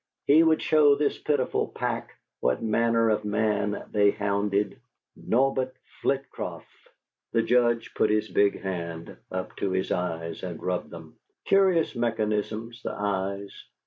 He would show this pitiful pack what manner of man they hounded! Norbert Flitcroft.... The Judge put his big hand up to his eyes and rubbed them. Curious mechanisms the eyes....